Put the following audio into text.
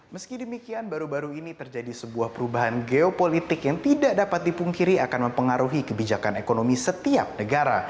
meski demikian baru baru ini terjadi sebuah perubahan geopolitik yang tidak dapat dipungkiri akan mempengaruhi kebijakan ekonomi setiap negara